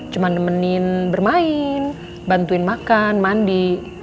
cuma nemenin bermain bantuin makan mandi